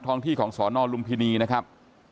ท้องที่ของสนลุมพินีนะครับ